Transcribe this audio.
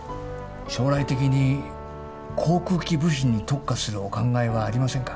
将来的に航空機部品に特化するお考えはありませんか？